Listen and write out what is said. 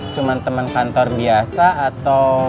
cuman temen kantor biasa atau